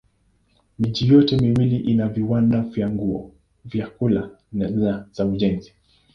Miji yote miwili ina viwanda vya nguo, vyakula na za ujenzi.